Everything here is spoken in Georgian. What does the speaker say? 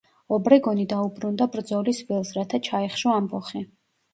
ობრეგონი დაუბრუნდა ბრძოლის ველს, რათა ჩაეხშო ამბოხი.